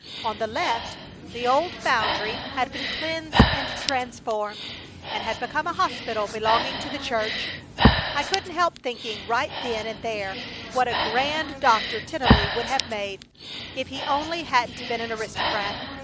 On the left, the old foundry had been cleansed and transformed, and had become a hospital belonging to the church. I couldn't help thinking right then and there what a grand doctor Tennelly would have made if he only hadn't been an aristocrat.